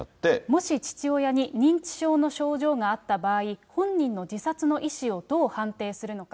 もし父親に認知症の症状があった場合、本人の自殺の意思をどう判定するのか。